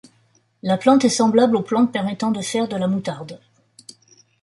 La plante est semblable aux plantes permettant de faire de la moutarde.